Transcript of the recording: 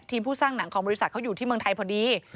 ผู้สร้างหนังของบริษัทเขาอยู่ที่เมืองไทยพอดี